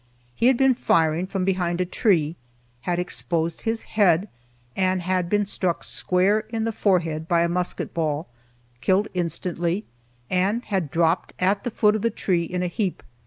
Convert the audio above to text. He had been firing from behind a tree, had exposed his head, and had been struck square in the forehead by a musket ball, killed instantly, and had dropped at the foot of the tree in a heap.